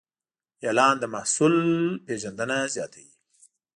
اعلان د محصول پیژندنه زیاتوي.